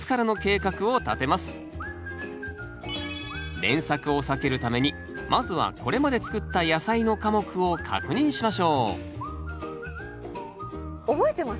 連作を避けるためにまずはこれまで作った野菜の科目を確認しましょう覚えてます？